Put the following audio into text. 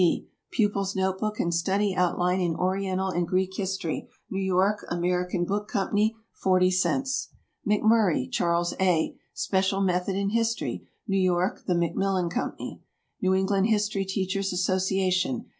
B. "Pupil's Notebook and Study Outline in Oriental and Greek History." New York, American Book Co. 40 cents. MCMURRAY, CHARLES A. "Special Method In History." New York, the Macmillan Co. NEW ENGLAND HISTORY TEACHERS' ASSOCIATION.